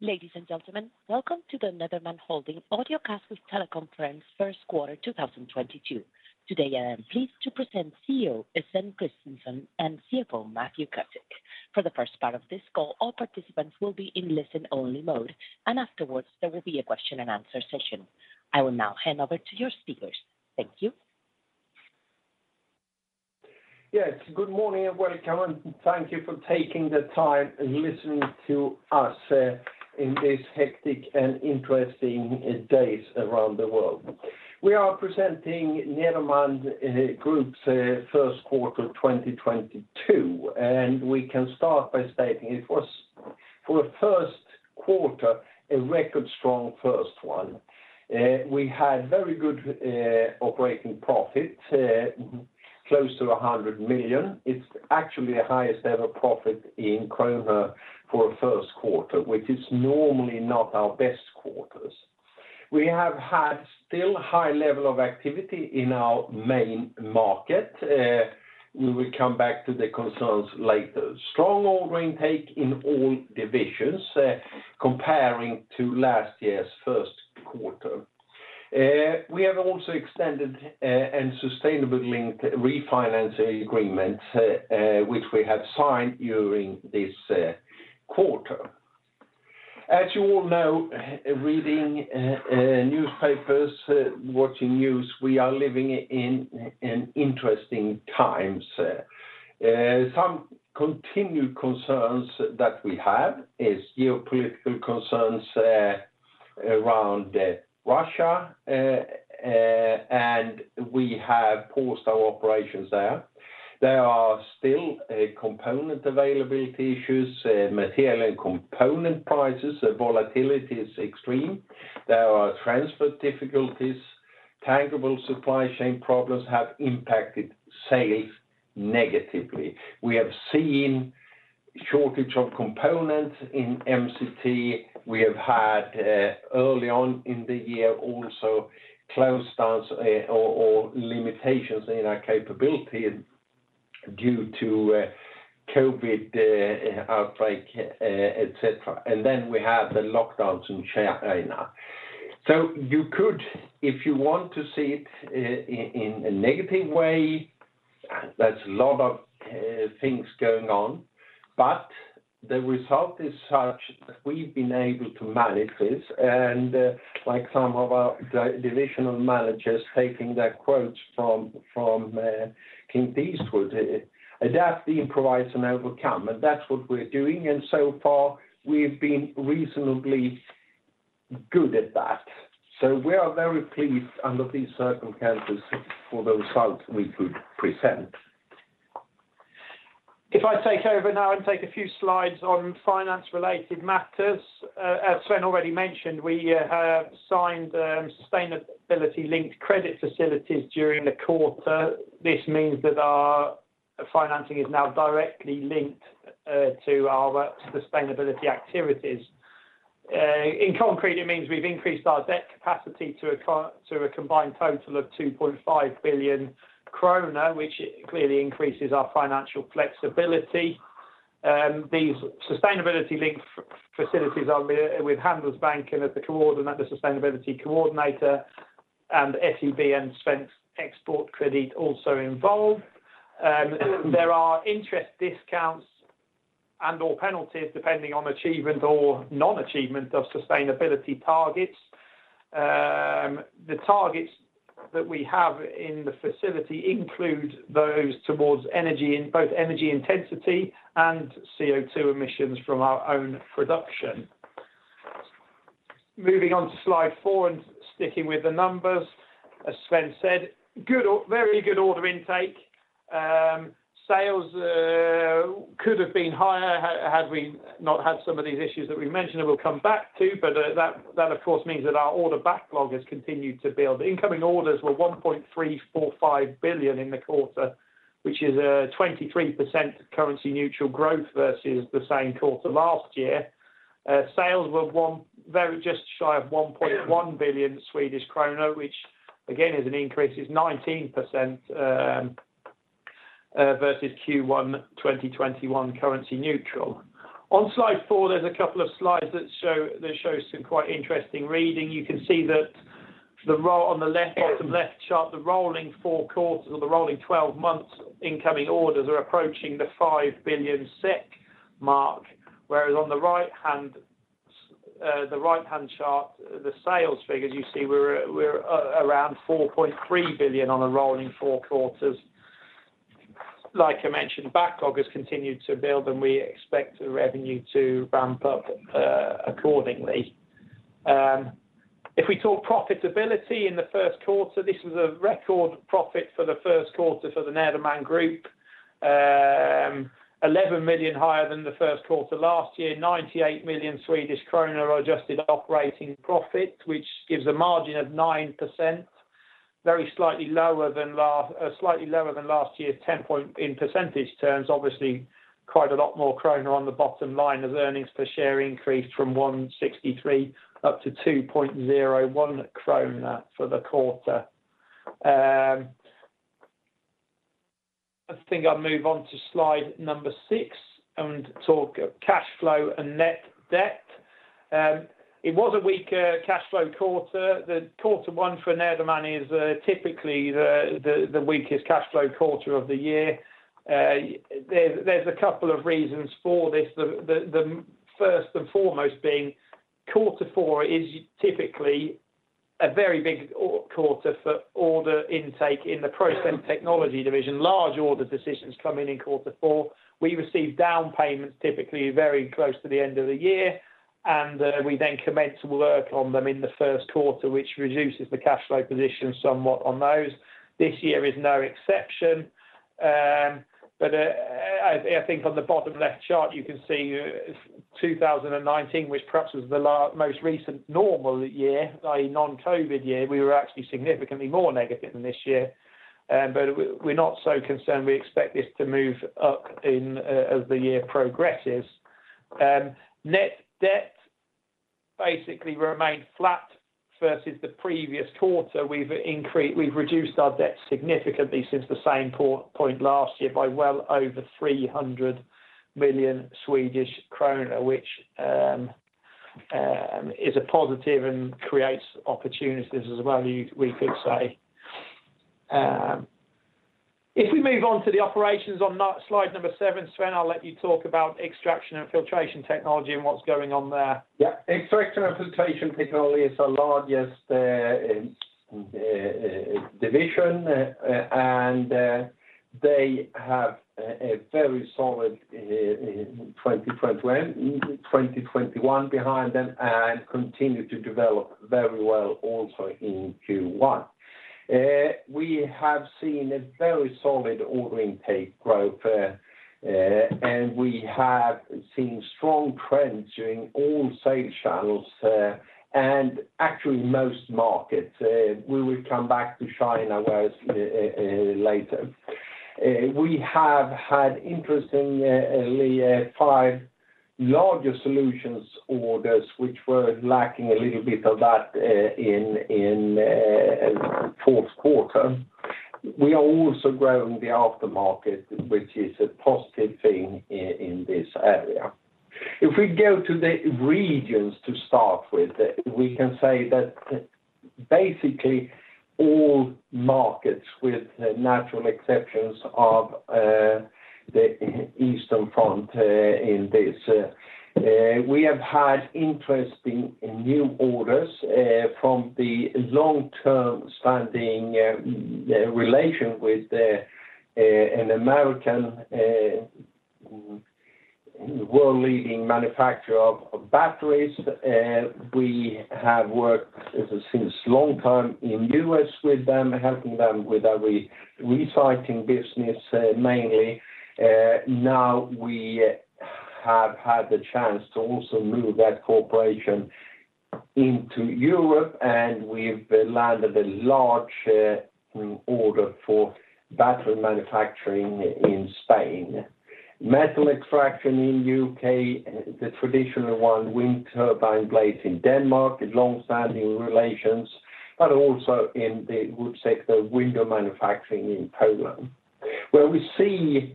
Ladies and gentlemen, welcome to the Nederman Holding Audio Casts Telecom Conference first quarter 2022. Today I am pleased to present CEO Sven Kristensson and CFO Matthew Cusick. For the first part of this call, all participants will be in listen-only mode, and afterwards there will be a question and answer session. I will now hand over to your speakers. Thank you. Yes. Good morning, and welcome. Thank you for taking the time in listening to us in this hectic and interesting days around the world. We are presenting Nederman Group's first quarter 2022, and we can start by stating it was for a first quarter, a record strong first one. We had very good operating profit close to 100 million. It's actually the highest ever profit in krona for a first quarter, which is normally not our best quarters. We have had still high level of activity in our main market, we will come back to the concerns later. Strong order intake in all divisions compared to last year's first quarter. We have also extended and sustainability-linked refinancing agreement which we have signed during this quarter. As you all know, reading newspapers, watching news, we are living in interesting times. Some continued concerns that we have is geopolitical concerns around Russia, and we have paused our operations there. There are still component availability issues, material and component prices, the volatility is extreme. There are transport difficulties, tangible supply chain problems have impacted sales negatively. We have seen shortage of components in MCT. We have had early on in the year also closed down or limitations in our capability due to COVID outbreak, etc, and then we have the lockdowns in China. You could, if you want to see it in a negative way, there's a lot of things going on, but the result is such that we've been able to manage this and, like some of our divisional managers taking their quotes from Clint Eastwood, adapt, improvise and overcome, and that's what we're doing, and so far we've been reasonably good at that. We are very pleased under these circumstances for the results we could present. If I take over now and take a few slides on finance related matters. As Sven already mentioned, we have signed sustainability linked credit facilities during the quarter. This means that our financing is now directly linked to our sustainability activities. In concrete, it means we've increased our debt capacity to a combined total of 2.5 billion kronor, which clearly increases our financial flexibility. These sustainability link facilities are with Handelsbanken as the coordinator, sustainability coordinator and SEB and Svensk Exportkredit also involved. There are interest discounts and/or penalties depending on achievement or non-achievement of sustainability targets. The targets that we have in the facility include those towards both energy intensity and CO2 emissions from our own production. Moving on to slide four and sticking with the numbers. As Sven said, very good order intake. Sales could have been higher had we not had some of these issues that we mentioned, and we'll come back to, but that of course means that our order backlog has continued to build. Incoming orders were 1.345 billion in the quarter, which is a 23% currency neutral growth versus the same quarter last year. Sales were just shy of 1.1 billion Swedish krona, which again is an increase, it's 19% versus Q1 2021 currency neutral. On slide four, there's a couple of slides that show some quite interesting reading. You can see that the row on the left chart, the rolling four quarters or the rolling 12 months incoming orders are approaching the 5 billion SEK mark. On the right-hand chart, the sales figures, you see we're around 4.3 billion on a rolling four quarters. Like I mentioned, backlog has continued to build and we expect the revenue to ramp up accordingly. If we talk profitability in the first quarter, this was a record profit for the first quarter for the Nederman Group. 11 million higher than the first quarter last year, 98 million Swedish kronor adjusted operating profit, which gives a margin of 9%. Very slightly lower than last year's 10% in percentage terms. Obviously, quite a lot more krona on the bottom line as earnings per share increased from 1.63 up to 2.01 krona for the quarter. I think I'll move on to slide number six and talk cash flow and net debt. It was a weaker cash flow quarter. The quarter 1 for Nederman is typically the weakest cash flow quarter of the year. There's a couple of reasons for this. The first and foremost being quarter 4 is typically a very big quarter for order intake in the Process Technology division. Large order decisions come in in quarter four. We receive down payments typically very close to the end of the year, and we then commence work on them in the first quarter, which reduces the cash flow position somewhat on those. This year is no exception. I think on the bottom left chart, you can see 2019, which perhaps was the most recent normal year, a non-COVID year. We were actually significantly more negative than this year. We're not so concerned. We expect this to move up as the year progresses. Net debt basically remained flat versus the previous quarter. We've reduced our debt significantly since the same point last year by well over 300 million Swedish kronor, which is a positive and creates opportunities as well, we could say. If we move on to the operations on slide number seven, Sven, I'll let you talk about Extraction and Filtration Technology and what's going on there. Extraction and Filtration Technology is our largest division, and they have a very solid 2021 behind them and continue to develop very well also in Q1. We have seen a very solid order intake growth, and we have seen strong trends during all sales channels, and actually most markets. We will come back to China later. We have had interestingly five larger solutions orders which were lacking a little bit of that in fourth quarter. We are also growing the aftermarket, which is a positive thing in this area. If we go to the regions to start with, we can say that basically all markets with natural exceptions of the Eastern Europe, in this we have had interesting new orders from the long-term standing relation with the an American world-leading manufacturer of batteries. We have worked since long time in U.S. with them, helping them with a recycling business mainly. Now we have had the chance to also move that cooperation into Europe, and we've landed a large order for battery manufacturing in Spain. Metal extraction in U.K., the traditional one, wind turbine blades in Denmark, long-standing relations, but also in the wood sector, window manufacturing in Poland. Where we see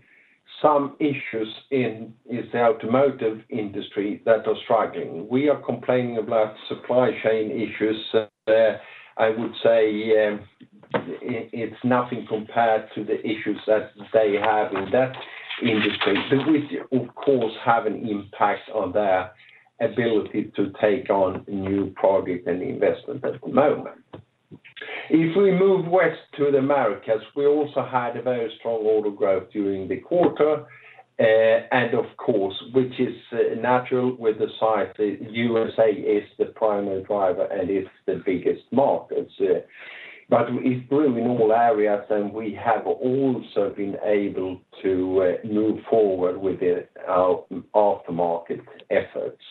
some issues in is the automotive industry that are struggling. We are complaining about supply chain issues. I would say it's nothing compared to the issues that they have in that industry, which of course have an impact on their ability to take on new projects and investment at the moment. If we move west to the Americas, we also had a very strong order growth during the quarter, which is natural with the size. The USA is the primary driver, and it's the biggest markets. It's growing in all areas, and we have also been able to move forward with the aftermarket efforts.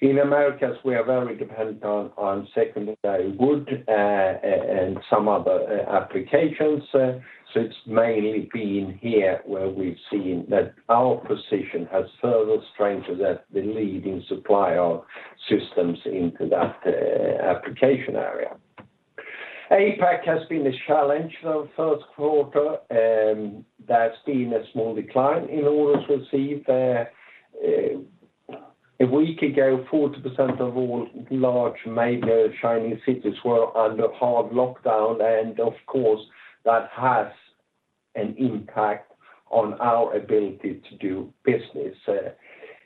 In Americas, we are very dependent on secondary wood and some other applications. It's mainly been here where we've seen that our position has further strengthened as the leading supplier of systems into that application area. APAC has been a challenge the first quarter. There's been a small decline in orders received there. A week ago, 40% of all large major Chinese cities were under hard lockdown, and of course, that has an impact on our ability to do business.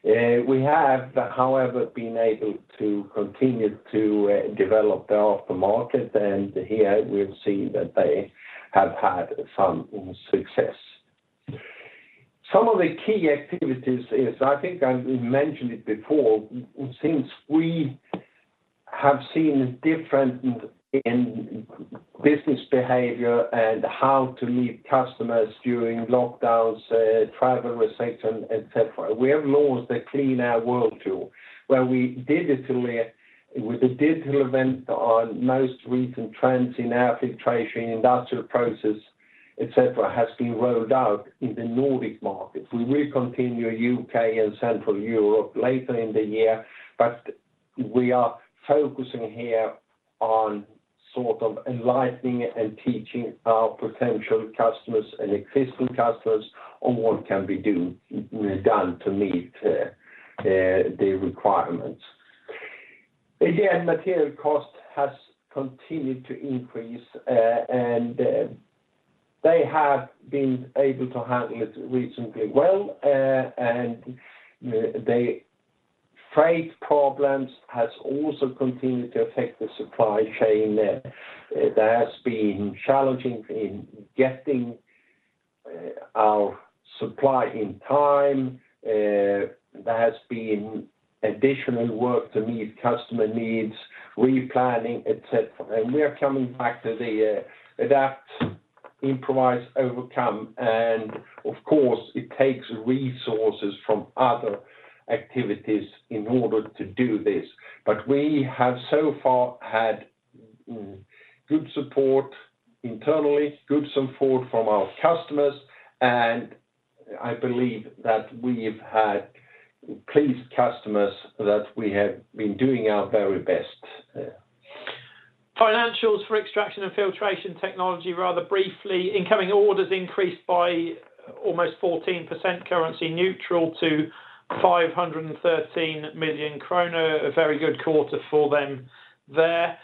We have, however, been able to continue to develop the aftermarket, and here we've seen that they have had some success. Some of the key activities is, I think I mentioned it before, since we have seen a difference in business behavior and how to meet customers during lockdowns, travel restrictions, etc. We have launched a Clean Air World Tour, where we with a digital event on most recent trends in air filtration, industrial process, et cetera, has been rolled out in the Nordic markets. We will continue U.K. and Central Europe later in the year, but we are focusing here on sort of enlightening and teaching our potential customers and existing customers on what can be done to meet the requirements. Again, material cost has continued to increase. They have been able to handle it reasonably well. The freight problems has also continued to affect the supply chain. That's been challenging in getting our supply in time. There has been additional work to meet customer needs, replanning, etc. We are coming back to the adapt, improvise, overcome, and of course, it takes resources from other activities in order to do this. We have so far had good support internally, good support from our customers, and I believe that we have had pleased customers that we have been doing our very best, yeah. Financials for Extraction and Filtration Technology, rather briefly, incoming orders increased by almost 14% currency neutral to 513 million krona. A very good quarter for them. Their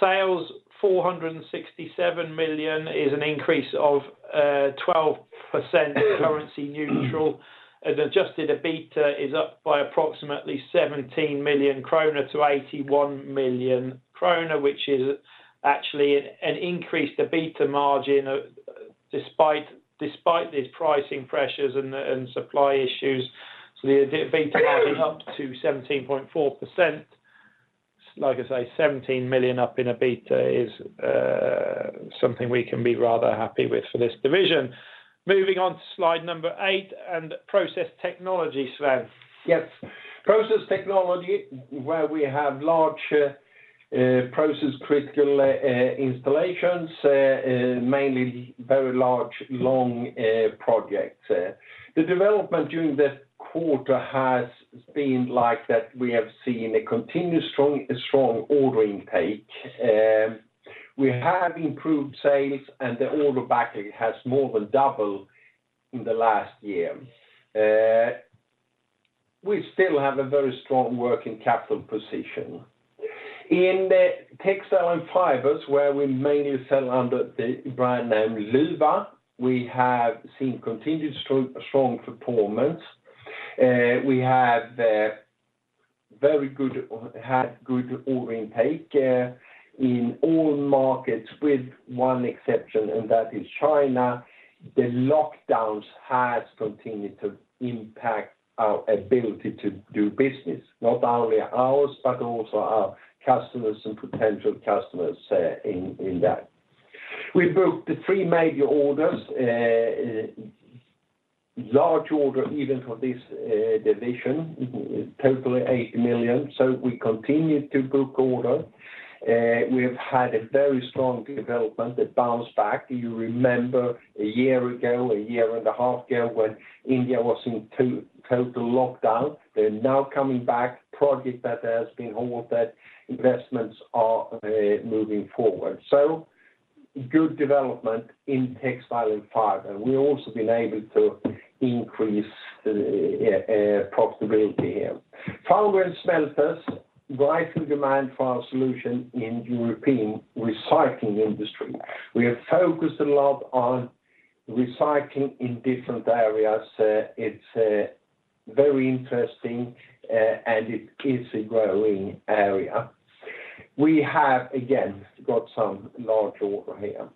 sales, 467 million, is an increase of 12% currency neutral. Adjusted EBITDA is up by approximately 17 million-81 million kronor, which is actually an increase to EBITDA margin despite these pricing pressures and the supply issues. The EBITDA margin up to 17.4%. Like I say, 17 million up in EBITDA is something we can be rather happy with for this division. Moving on to slide eight and Process Technologies, Sven. Yes. Process Technology, where we have large process-critical installations, mainly very large, long projects. The development during the quarter has been that we have seen a continued strong ordering pace. We have improved sales, and the order backlog has more than doubled in the last year. We still have a very strong working capital position. In the textile and fibers, where we mainly sell under the brand name Luwa, we have seen continued strong performance. We have had very good ordering pace in all markets, with one exception, and that is China. The lockdowns have continued to impact our ability to do business, not only ours, but also our customers and potential customers, in that. We booked three major orders, large orders even for this division, totaling 80 million. We continue to book order. We have had a very strong development that bounce back. You remember a year ago, a year and a half ago, when India was in total lockdown. They're now coming back, projects that have been halted, investments are moving forward. Good development in textile and fiber. We've also been able to increase profitability here. Foundry and smelters, rising demand for our solution in European recycling industry. We have focused a lot on recycling in different areas. It's very interesting and it is a growing area. We have, again, got some large order here.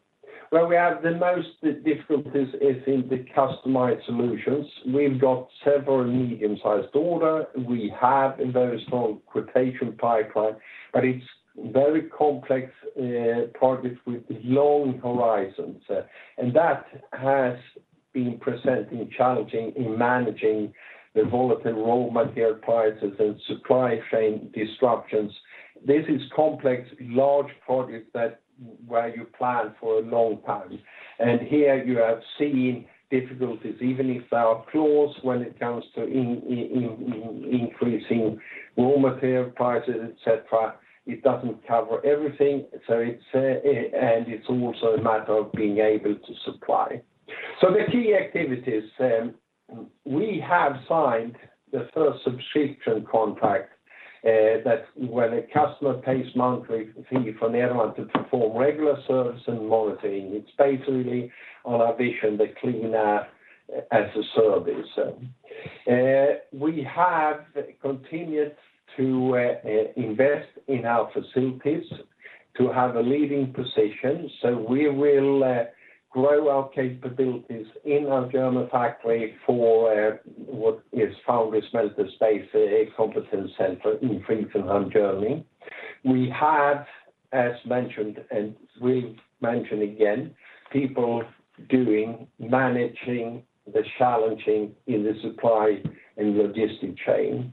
Where we have the most difficulties is in the customized solutions. We've got several medium-sized order. We have a very strong quotation pipeline, but it's very complex projects with long horizons. That has been presenting challenges in managing the volatile raw material prices and supply chain disruptions. These are complex, large projects that, where you plan for a long time. Here you have seen difficulties, even if our clauses when it comes to increasing raw material prices, etc, it doesn't cover everything. It's also a matter of being able to supply. The key activities, we have signed the first subscription contract that when a customer pays monthly fee for Nederman to perform regular service and monitoring, it's basically on our vision, the cleaner as a service. We have continued to invest in our facilities to have a leading position. We will grow our capabilities in our German factory for what is foundry smelter space, a competence center in Friesenheim, Germany. We have, as mentioned, people managing the challenges in the supply and logistics chain.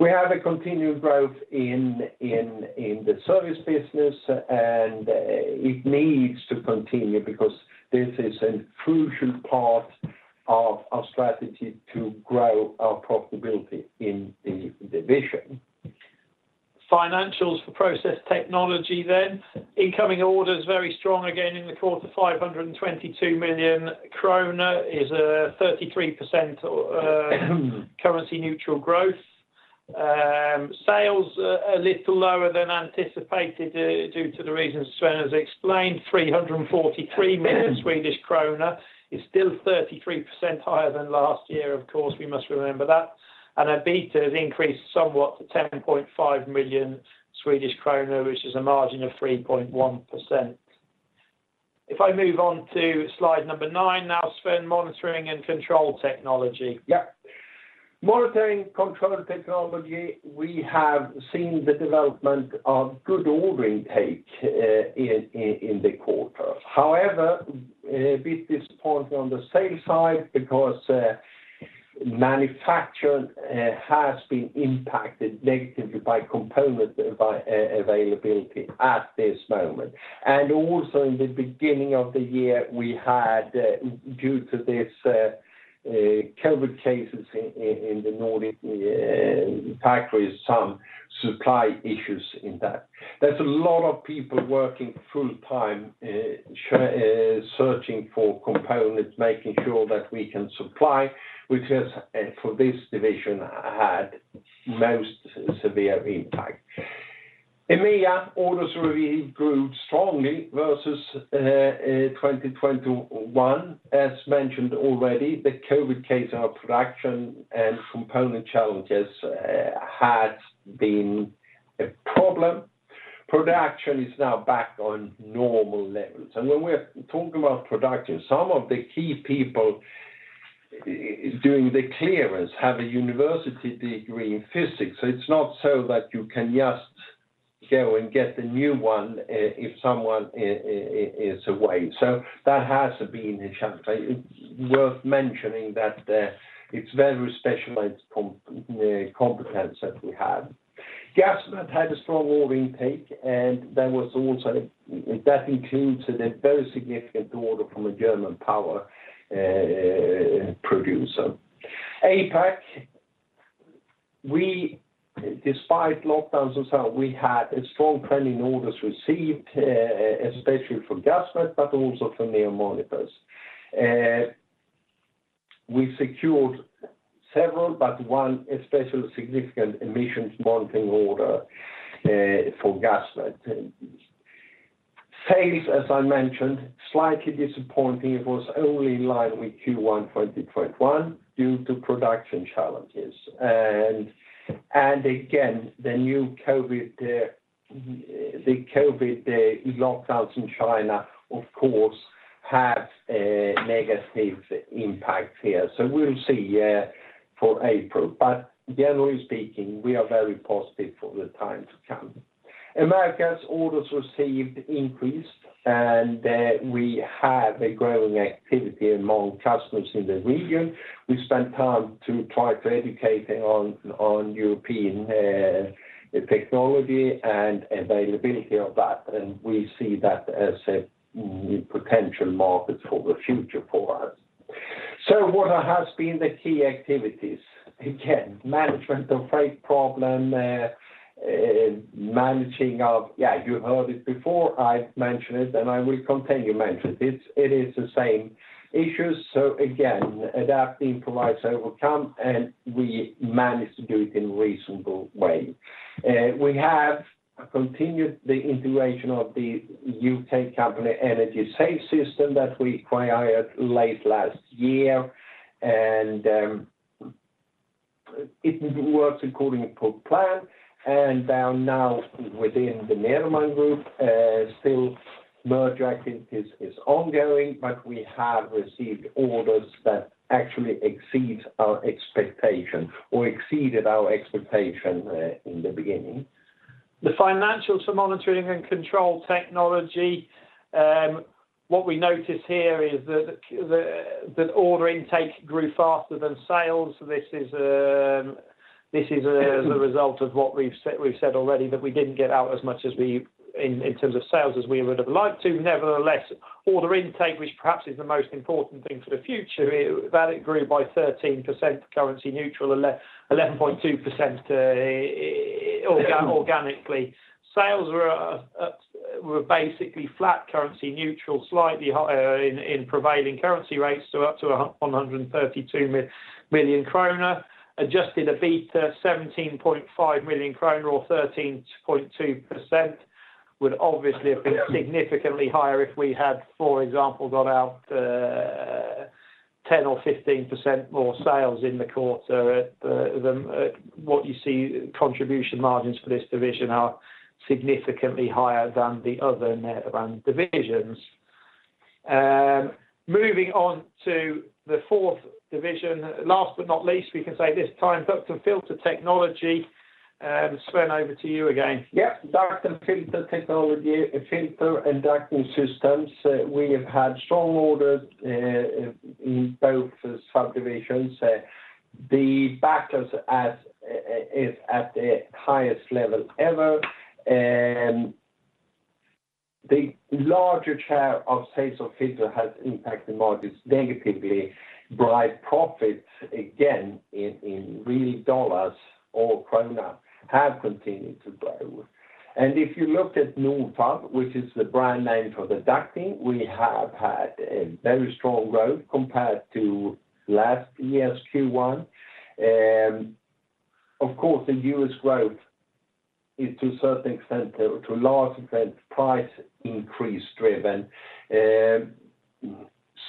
We have continued growth in the service business, and it needs to continue because this is a crucial part of our strategy to grow our profitability in the division. Financials for Process Technology. Incoming orders very strong again in the quarter, 522 million is a 33% currency neutral growth. Sales a little lower than anticipated due to the reasons Sven has explained, 343 million Swedish krona is still 33% higher than last year, of course, we must remember that. EBITDA has increased somewhat to 10.5 million Swedish krona, which is a margin of 3.1%. If I move on to slide nine now, Sven, Monitoring & Control Technology. Yeah. Monitoring & Control Technology, we have seen the development of good order intake in the quarter. However, a bit disappointing on the sales side because manufacturing has been impacted negatively by component availability at this moment. Also in the beginning of the year, we had, due to this, COVID cases in the Nordic factories, some supply issues in that. There's a lot of people working full time searching for components, making sure that we can supply, which has, for this division, had most severe impact. EMEA orders received grew strongly versus 2021. As mentioned already, the COVID case in our production and component challenges had been a problem. Production is now back on normal levels. When we're talking about production, some of the key people doing the clearance have a university degree in physics, so it's not so that you can just go and get the new one if someone is away. That has been a challenge. It's worth mentioning that it's very specialized competence that we have. Gasmet had a strong order intake, and that includes a very significant order from a German power producer. APAC, despite lockdowns and so on, we had a strong trend in orders received, especially for Gasmet, but also for NEO Monitors. We secured several, but one especially significant emissions monitoring order for Gasmet. Sales, as I mentioned, slightly disappointing. It was only in line with Q1 2021 due to production challenges. Again, the new COVID lockdowns in China, of course, had a negative impact here. We'll see for April. Generally speaking, we are very positive for the time to come. Americas orders received increased, and we have a growing activity among customers in the region. We spent time to try to educate on European technology and availability of that, and we see that as a new potential market for the future for us. What has been the key activities? Again, management of freight problem. Yeah, you heard it before, I mentioned it, and I will continue to mention it. It is the same issues. Again, adapt, improvise, overcome, and we managed to do it in reasonable way. We have continued the integration of the U.K. company Energy Save Systems that we acquired late last year. It works according to plan, and they are now within the Nederman Group. Still, merger activity is ongoing, but we have received orders that actually exceed our expectation or exceeded our expectation in the beginning. The financials for Monitoring and Control Technology, what we notice here is that the order intake grew faster than sales. This is as a result of what we've said already, that we didn't get out as much as we in terms of sales as we would have liked to. Nevertheless, order intake, which perhaps is the most important thing for the future, that it grew by 13% currency neutral, 11.2% organically. Sales were basically flat currency neutral, slightly higher in prevailing currency rates, so up to 132 million kronor. Adjusted EBITDA, 17.5 million kronor or 13.2%, would obviously have been significantly higher if we had, for example, got out 10% or 15% more sales in the quarter. What you see, contribution margins for this division are significantly higher than the other Nederman divisions. Moving on to the fourth division, last but not least, we can say this time, Duct & Filter Technology. Sven, over to you again. Yeah. Duct & Filter Technology, Filter and Ducting Systems, we have had strong orders in both subdivisions. The backlogs are at the highest level ever. The larger share of sales of filter has impacted markets negatively, but high profits, again, in real dollars or krona have continued to grow. If you looked at Nordfab, which is the brand name for the ducting, we have had a very strong growth compared to last year's Q1. Of course, the U.S. growth is to a certain extent, to a large extent, price increase driven.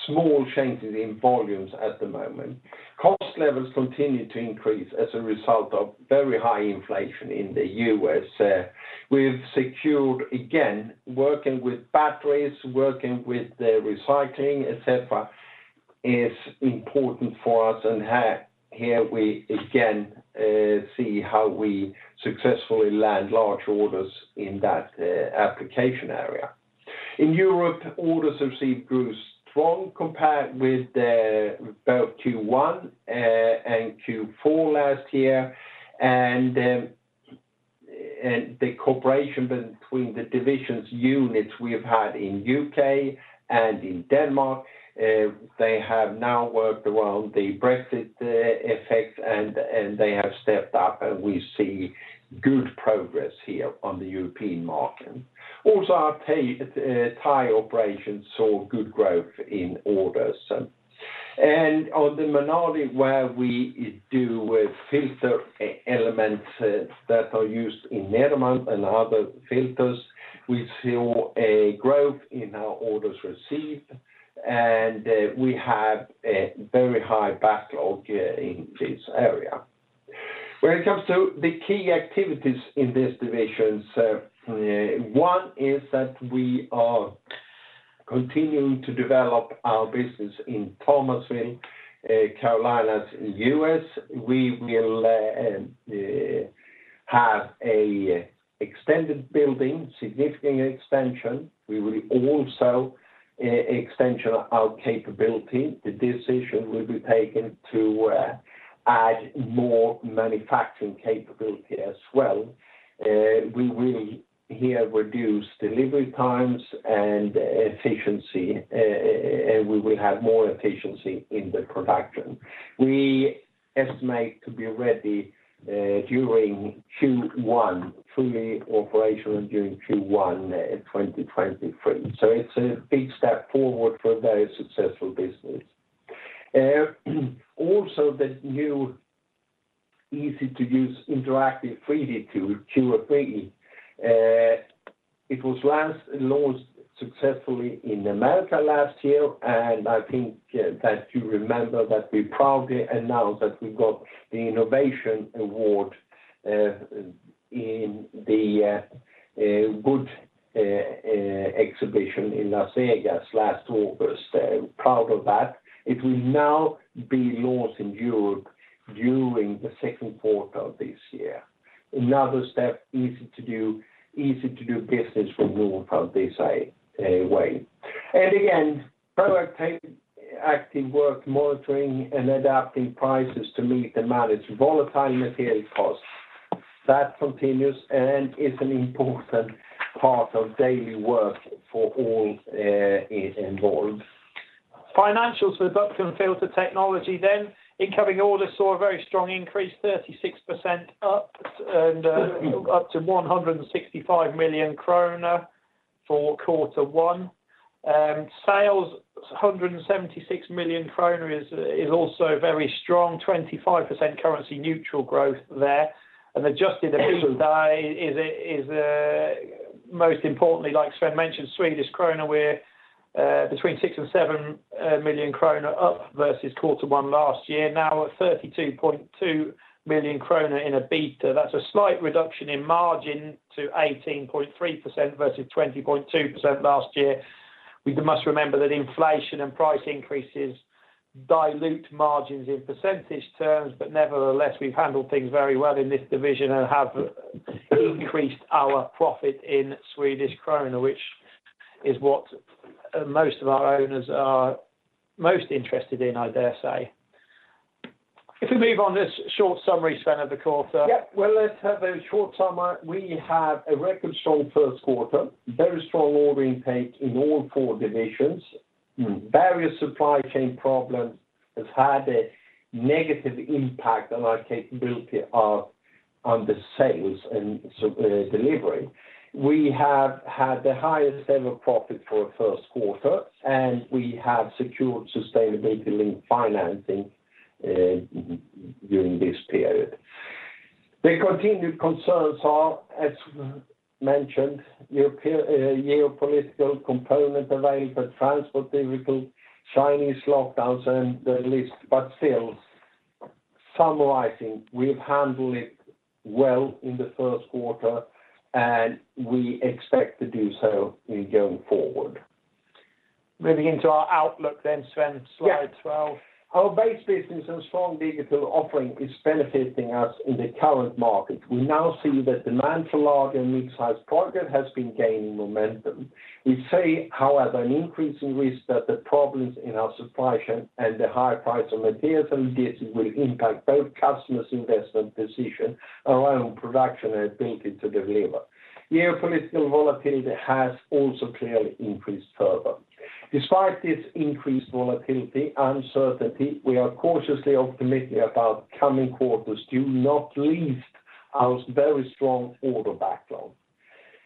Small changes in volumes at the moment. Cost levels continue to increase as a result of very high inflation in the U.S. We've secured again, working with batteries, working with the recycling, etc, is important for us. Here we again see how we successfully land large orders in that application area. In Europe, orders received grew strong compared with both Q1 and Q4 last year. The cooperation between the divisions units we have had in U.K. and in Denmark, they have now worked around the Brexit effects and they have stepped up, and we see good progress here on the European market. Also, our Thai operations saw good growth in orders. On the Menardi, where we do with filter elements that are used in Nederman and other filters, we see a growth in our orders received, and we have a very high backlog in this area. When it comes to the key activities in this division, one is that we are continuing to develop our business in Thomasville, North Carolina, U.S. We will have an extended building, significant extension. We will also extend our capability. The decision will be taken to add more manufacturing capability as well. We will here reduce delivery times and efficiency, we will have more efficiency in the production. We estimate to be ready during Q1, fully operational during Q1 2023. It's a big step forward for a very successful business. Also the new easy-to-use interactive 3D tool, QF3D. It was last launched successfully in America last year, and I think that you remember that we proudly announced that we got the innovation award in the good exhibition in Las Vegas last August. Proud of that. It will now be launched in Europe during the second quarter of this year. Another step, easy to do business with Nordfab this way. Again, proactive work monitoring and adapting prices to meet and manage volatile material costs. That continues and is an important part of daily work for all involved. Financials for the Duct & Filter Technology. Incoming orders saw a very strong increase, 36% up and up to 165 million kronor for quarter one. Sales, 176 million kronor, is also very strong, 25% currency neutral growth there. Adjusted EBITDA is most importantly, like Sven mentioned, Swedish krona, we're between 6 million and 7 million kronor up versus quarter one last year. Now at 32.2 million kronor in EBITDA. That's a slight reduction in margin to 18.3% versus 20.2% last year. We must remember that inflation and price increases dilute margins in percentage terms, but nevertheless, we've handled things very well in this division and have increased our profit in Swedish krona, which is what most of our owners are most interested in, I dare say. If we move on to this short summary, Sven, of the quarter. Well, let's have a short summary. We have a record strong first quarter, very strong order intake in all four divisions. Various supply chain problems has had a negative impact on our capability on the sales and delivery. We have had the highest ever profit for a first quarter, and we have secured sustainability in financing during this period. The continued concerns are, as mentioned, geopolitical component availability, transport difficulties, Chinese lockdowns and the list, but still, summarizing, we've handled it well in the first quarter, and we expect to do so going forward. Moving into our outlook then, Sven, slide 12. Yeah. Our base business and strong digital offering is benefiting us in the current market. We now see that demand for large and mid-sized project has been gaining momentum. We see, however, an increasing risk that the problems in our supply chain and the higher price of materials and diesel will impact both customers' investment decision around production and ability to deliver. Geopolitical volatility has also clearly increased further. Despite this increased volatility uncertainty, we are cautiously optimistic about coming quarters, due not least our very strong order backlog.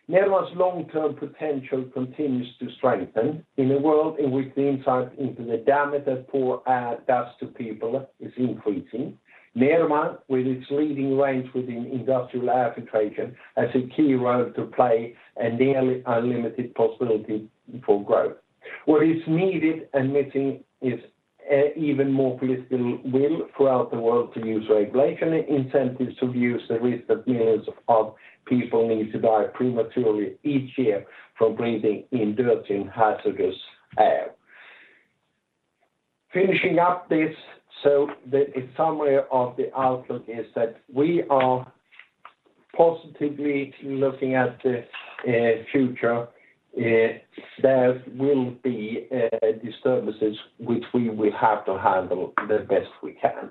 Nederman's long-term potential continues to strengthen in a world in which the insight into the damage that poor air does to people is increasing. Nederman, with its leading range within industrial air filtration, has a key role to play and nearly unlimited possibility for growth. What is needed and missing is even more political will throughout the world to use regulation incentives to reduce the risk that millions of people need to die prematurely each year from breathing in dirty and hazardous air. Finishing up this, so the summary of the outlook is that we are positively looking at the future. There will be disturbances which we will have to handle the best we can.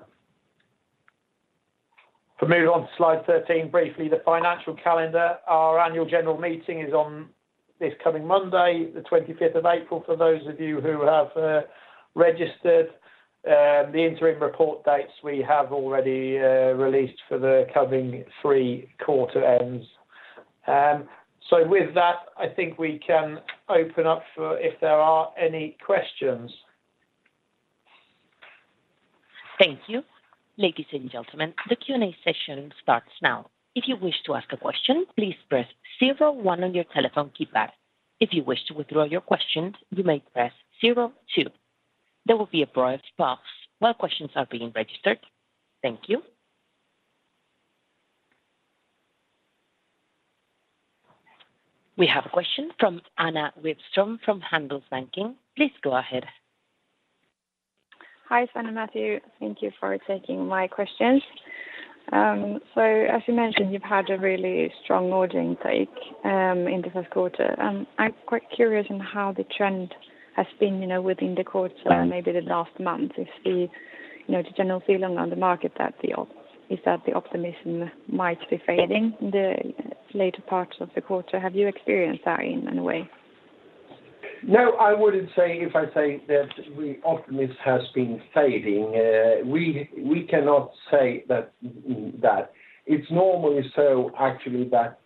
For me, on slide 13, briefly, the financial calendar. Our Annual General Meeting is on this coming Monday, the 25th of April, for those of you who have registered. The interim report dates we have already released for the coming three quarter ends. With that, I think we can open up for if there are any questions. Thank you. Ladies and gentlemen, the Q&A session starts now. If you wish to ask a question, please press zero-one on your telephone keypad. If you wish to withdraw your questions, you may press zero-two. There will be a brief pause while questions are being registered. Thank you. We have a question from Anna Lindström from Handelsbanken. Please go ahead. Hi, Sven and Matthew. Thank you for taking my questions. As you mentioned, you've had a really strong order intake in the first quarter. I'm quite curious on how the trend has been, you know, within the quarter is the, you know, the general feeling on the market that the optimism might be fading in the later parts of the quarter? Have you experienced that in any way? No, I wouldn't say that the optimism has been fading. We cannot say that. It's normally so actually that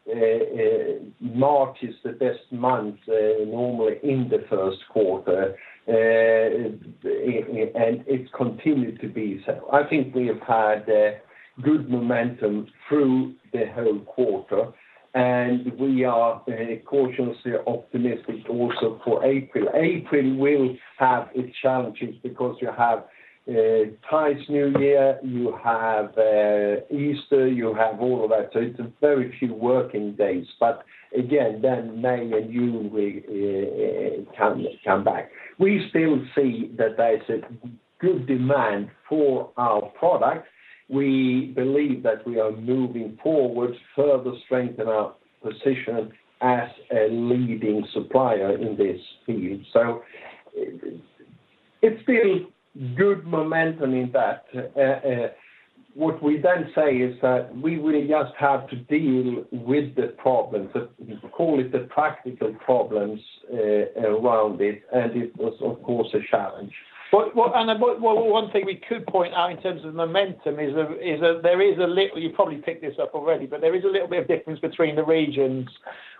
March is the best month normally in the first quarter. And it's continued to be so. I think we have had good momentum through the whole quarter, and we are cautiously optimistic also for April. April will have its challenges because you have Thai's New Year, you have Easter, you have all of that. So it's a very few working days. But again, then May and June, we can come back. We still see that there's a good demand for our product. We believe that we are moving forward, further strengthen our position as a leading supplier in this field. So it's still good momentum in that. What we then say is that we will just have to deal with the problems, call it the practical problems, around it, and it was of course a challenge. One thing we could point out in terms of momentum is there is a little. You probably picked this up already, but there is a little bit of difference between the regions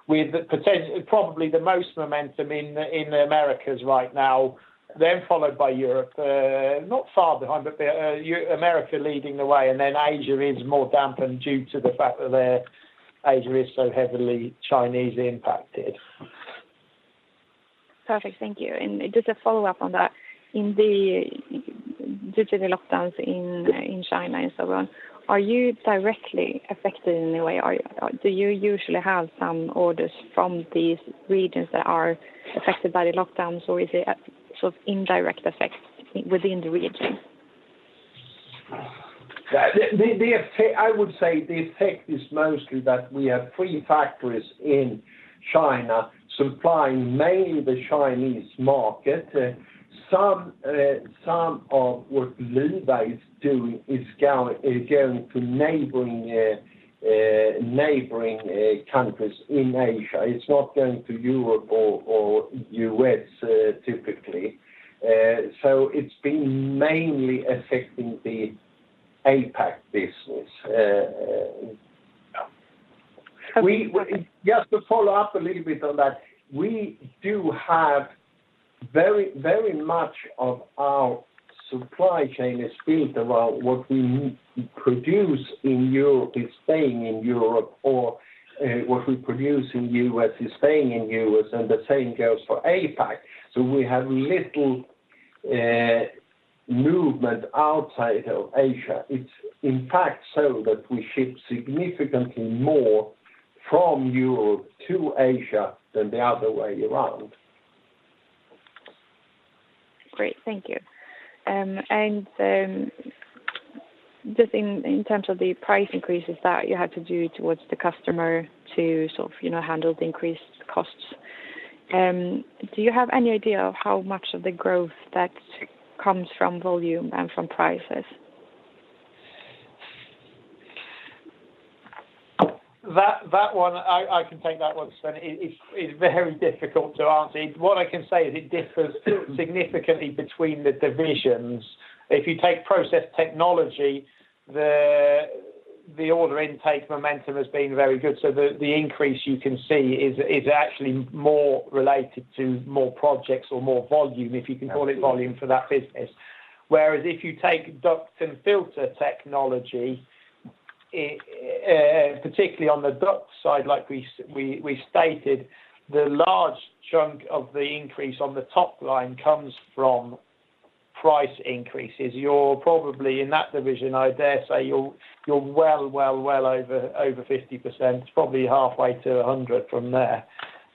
with potentially probably the most momentum in the Americas right now, then followed by Europe, not far behind, but America leading the way, and then Asia is more dampened due to the fact that their Asia is so heavily Chinese impacted. Perfect. Thank you. Just a follow-up on that. Due to the lockdowns in China and so on, are you directly affected in any way? Do you usually have some orders from these regions that are affected by the lockdowns, or is it a sort of indirect effect within the region? I would say the effect is mostly that we have three factories in China supplying mainly the Chinese market. Some of what Luwa is doing is going to neighboring countries in Asia. It's not going to Europe or U.S., typically. So it's been mainly affecting the APAC business. Just to follow up a little bit on that, we do have very, very much of our supply chain is built around what we produce in Europe is staying in Europe, or, what we produce in U.S. is staying in U.S., and the same goes for APAC. We have little, movement outside of Asia. It's in fact so that we ship significantly more from Europe to Asia than the other way around. Great. Thank you. Just in terms of the price increases that you had to do towards the customer to sort of, you know, handle the increased costs, do you have any idea of how much of the growth that comes from volume and from prices? That one, I can take that one, Sven. It's very difficult to answer. What I can say is it differs significantly between the divisions. If you take Process Technology, the order intake momentum has been very good, so the increase you can see is actually more related to more projects or more volume, if you can call it volume for that business. Whereas if you take Duct and Filter Technology, particularly on the duct side, like we stated, the large chunk of the increase on the top line comes from price increases. You're probably in that division, I dare say you're well over 50%. It's probably halfway to 100% from there.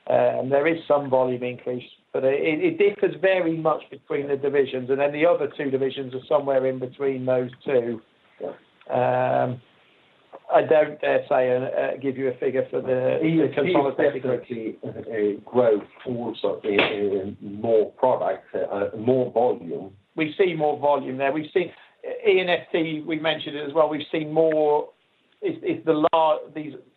There is some volume increase, but it differs very much between the divisions, and then the other two divisions are somewhere in between those two. I don't dare say and give you a figure. You're definitely a growth force of the more products, more volume. We see more volume there. We see EFT, we mentioned it as well, we've seen more. It's the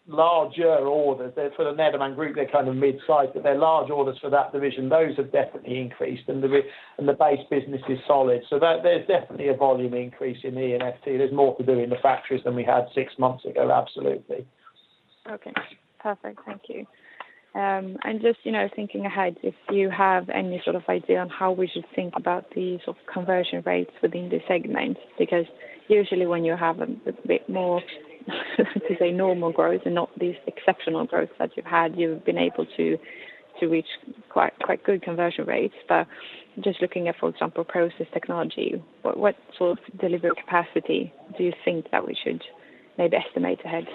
larger orders. They're for the Nederman Group, they're kind of mid-size, but they're large orders for that division. Those have definitely increased and the base business is solid. There's definitely a volume increase in EFT. There's more to do in the factories than we had six months ago. Absolutely. Okay, perfect. Thank you. Just, you know, thinking ahead, if you have any sort of idea on how we should think about the sort of conversion rates within the segment. Because usually when you have a bit more to say normal growth and not these exceptional growth that you've had, you've been able to reach quite good conversion rates. But just looking at, for example, Process Technology, what sort of delivery capacity do you think that we should maybe estimate ahead?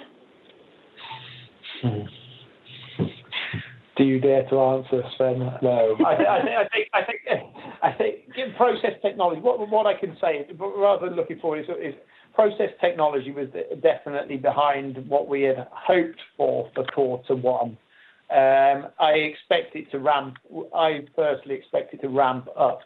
Do you dare to answer, Sven? No. I think in Process Technology what I can say is Process Technology was definitely behind what we had hoped for quarter one. I personally expect it to ramp up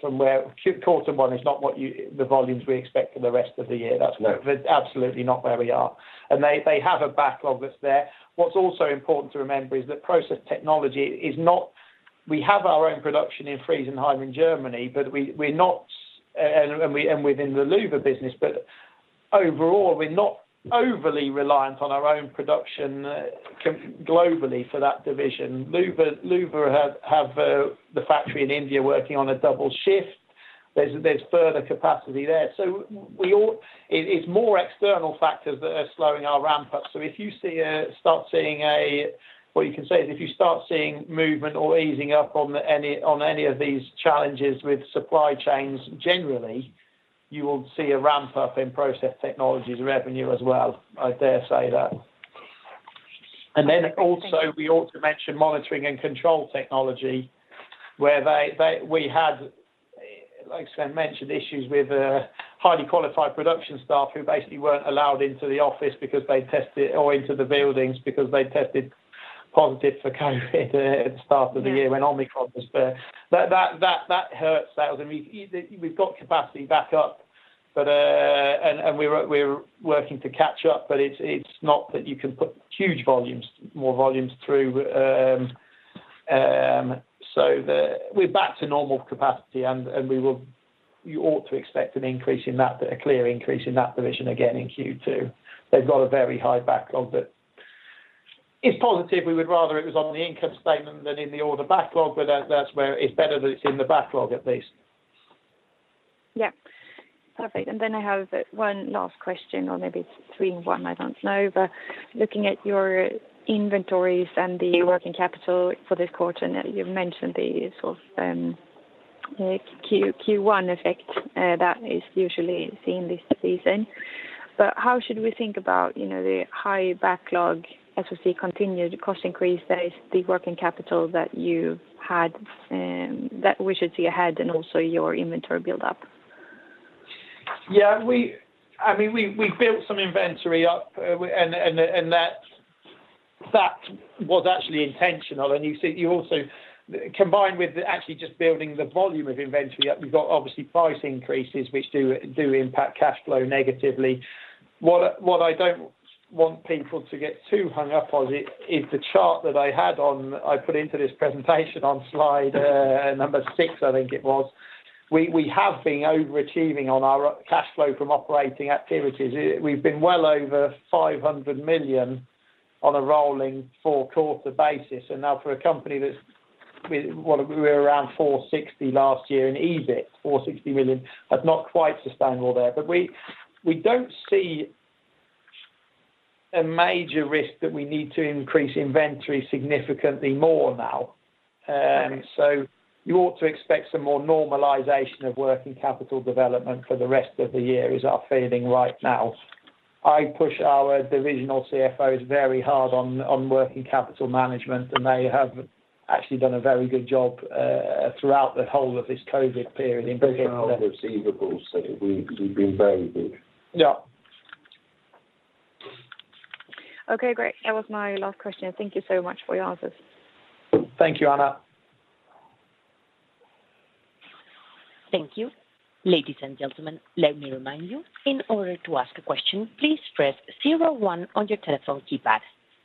from where quarter one is not the volumes we expect for the rest of the year. That's where absolutely not where we are. They have a backlog that's there. What's also important to remember is that Process Technology is not. We have our own production in Friesenheim in Germany, but we're not overly reliant on our own production globally for that division within the Luwa business, but overall. Luwa has the factory in India working on a double shift. There's further capacity there. It's more external factors that are slowing our ramp up. What you can say is if you start seeing movement or easing up on any of these challenges with supply chains generally, you will see a ramp up in Process Technology revenue as well. I dare say that. Then also we ought to mention Monitoring and Control Technology, where they we had, like Sven mentioned, issues with highly qualified production staff who basically weren't allowed into the office because they tested positive for COVID at the start of the year when Omicron was there. That hurts sales. I mean, we've got capacity back up, but. We're working to catch up, but it's not that you can put huge volumes, more volumes through. We're back to normal capacity and you ought to expect an increase in that, a clear increase in that division again in Q2. They've got a very high backlog that is positive. We would rather it was on the income statement than in the order backlog, but that's where it's better that it's in the backlog at least. Yeah. Perfect. Then I have one last question or maybe it's three in one, I don't know. Looking at your inventories and the working capital for this quarter, and you've mentioned the sort of Q1 effect that is usually seen this season. How should we think about the high backlog as we see continued cost increase based on the working capital that you had and that we should see ahead and also your inventory build up? I mean, we built some inventory up, and that was actually intentional. Combined with actually just building the volume of inventory up, you've got obviously price increases which do impact cash flow negatively. What I don't want people to get too hung up on is the chart that I put into this presentation on slide number 6, I think it was. We have been overachieving on our cash flow from operating activities. We've been well over 500 million on a rolling four-quarter basis. Now for a company that's been, we were around 460 million last year in EBIT. That's not quite sustainable there. We don't see a major risk that we need to increase inventory significantly more now. You ought to expect some more normalization of working capital development for the rest of the year, is our feeling right now. I push our divisional CFOs very hard on working capital management, and they have actually done a very good job throughout the whole of this COVID period in particular. Especially on the receivables, we've been very good. Yeah. Okay, great. That was my last question. Thank you so much for your answers. Thank you, Anna. Thank you. Ladies and gentlemen, let me remind you, in order to ask a question, please press zero one on your telephone keypad.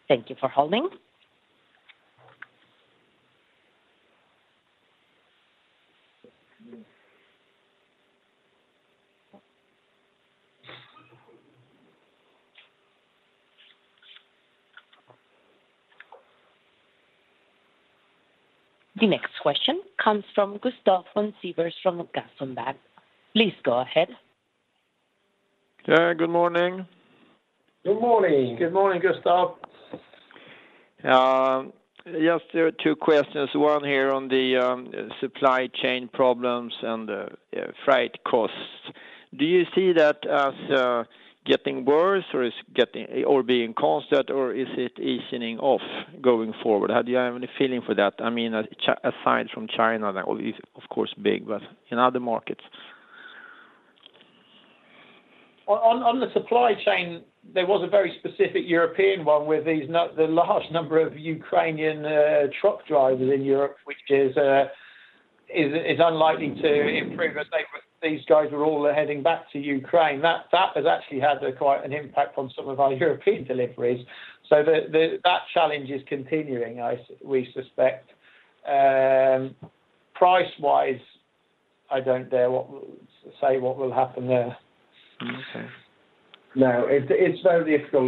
Thank you for holding. The next question comes from Gustaf von Sivers from [DNB]. Please go ahead. Yeah. Good morning. Good morning. Good morning, Gustaf. Just there are two questions. One here on the supply chain problems and freight costs. Do you see that as getting worse or being constant or is it easing off going forward? Do you have any feeling for that? I mean, aside from China, that is of course big, but in other markets. On the supply chain, there was a very specific European one where the large number of Ukrainian truck drivers in Europe, which is unlikely to improve as these guys are all heading back to Ukraine. That has actually had quite an impact on some of our European deliveries. That challenge is continuing, we suspect. Price-wise, I don't dare say what will happen there. Okay. Now, it's very difficult.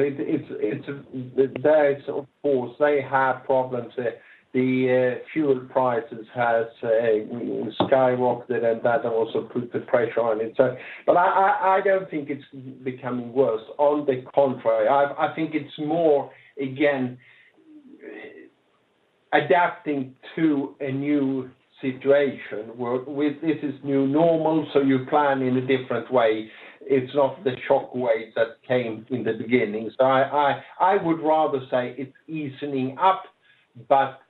There of course they have problems. The fuel prices have skyrocketed, and that also puts pressure on it. I don't think it's becoming worse. On the contrary, I think it's more, again, adapting to a new situation where this is the new normal, so you plan in a different way. It's not the shock wave that came in the beginning. I would rather say it's easing up.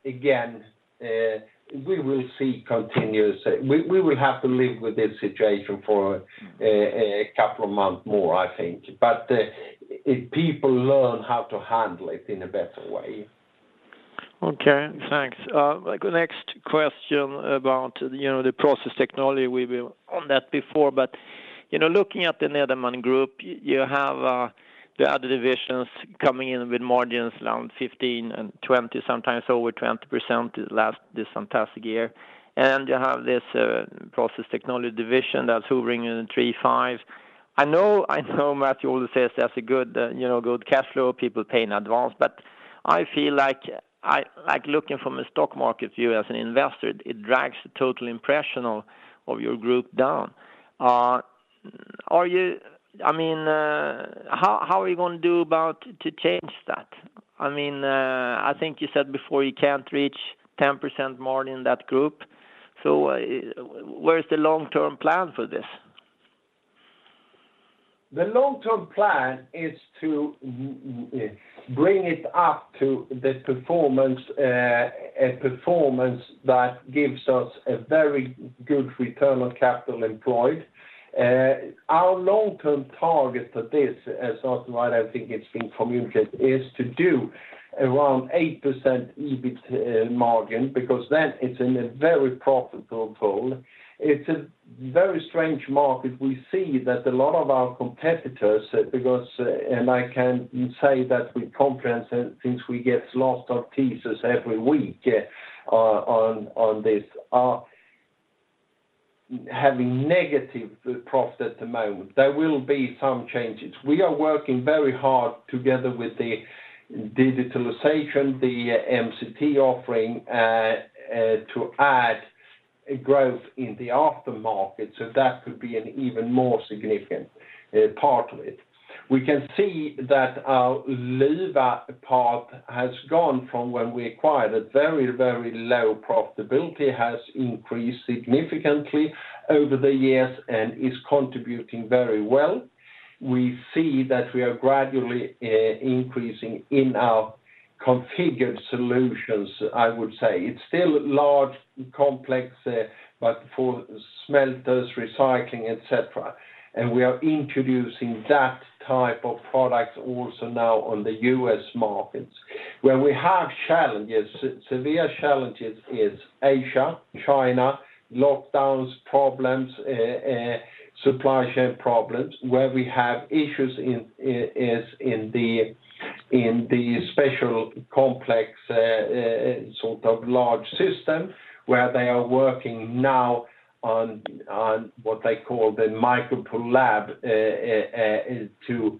Again, we will see continuous. We will have to live with this situation for a couple of months more, I think. If people learn how to handle it in a better way. Okay. Thanks. The next question about, you know, the Process Technology, we've been on that before. You know, looking at the Nederman Group, you have the other divisions coming in with margins around 15 and 20, sometimes over 20% this fantastic year. You have this Process Technology division that's hovering in 3-5. I know Matthew always says that's a good, you know, good cash flow, people pay in advance, but I feel like looking from a stock market view as an investor, it drags the total impression of your group down. I mean, how are you gonna do about to change that? I mean, I think you said before you can't reach 10% more in that group. Where is the long-term plan for this? The long-term plan is to bring it up to the performance, a performance that gives us a very good return on capital employed. Our long-term target for this, as also I don't think it's been communicated, is to do around 8% EBIT margin because then it's in a very profitable pool. It's a very strange market. We see that a lot of our competitors, because, and I can say that with confidence since we get lots of teasers every week, on this, are having negative profit at the moment. There will be some changes. We are working very hard together with the digitalization, the MCT offering, to add growth in the aftermarket. That could be an even more significant part of it. We can see that our Luwa part has gone from when we acquired a very, very low profitability has increased significantly over the years and is contributing very well. We see that we are gradually increasing in our configured solutions, I would say. It's still large, complex, but for smelters, recycling, etc. We are introducing that type of product also now on the U.S. markets. Where we have challenges, severe challenges is Asia, China, lockdowns problems, supply chain problems. Where we have issues in is in the special complex sort of large system, where they are working now on what they call the MikroPul Solutions Lab to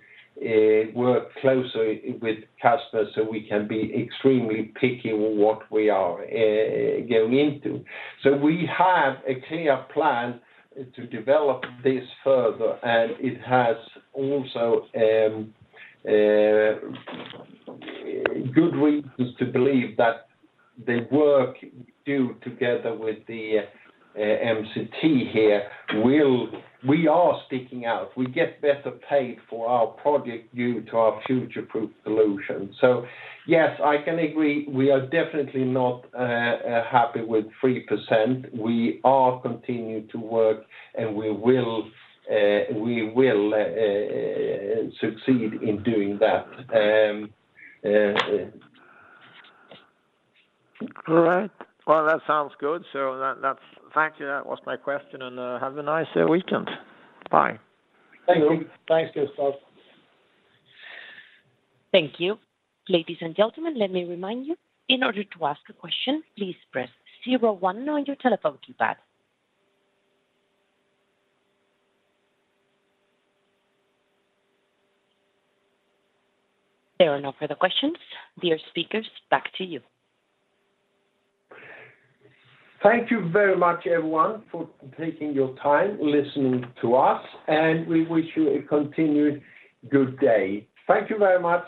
work closely with customers so we can be extremely picky with what we are going into. We have a clear plan to develop this further, and it has also good reasons to believe that the work we do together with the MCT here. We are sticking out. We get better paid for our project due to our future-proof solution. Yes, I can agree, we are definitely not happy with 3%. We are continuing to work, and we will succeed in doing that. All right. Well, that sounds good. Thank you. That was my question. Have a nice weekend. Bye. Thank you. Thanks, Gustaf. Thank you. Ladies and gentlemen, let me remind you, in order to ask a question, please press zero one on your telephone keypad. There are no further questions. Dear speakers, back to you. Thank you very much, everyone, for taking your time listening to us, and we wish you a continued good day. Thank you very much.